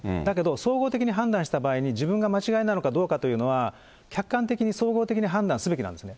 総合的に判断した場合、自分が間違いなのかどうかというのは、客観的に総合的に判断すべきなんですね。